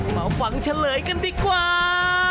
มาฟังเฉลยกันดีกว่า